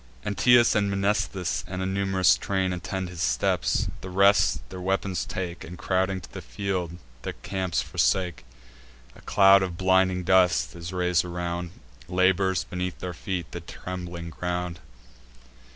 Anteus and Mnestheus, and a num'rous train, Attend his steps; the rest their weapons take, And, crowding to the field, the camp forsake. A cloud of blinding dust is rais'd around, Labours beneath their feet the trembling ground.